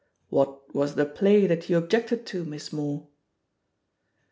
"What was the play that you objected to. Miss Moore?"